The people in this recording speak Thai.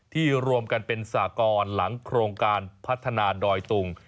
รวมกันเป็นสากรหลังโครงการพัฒนาดอยตุง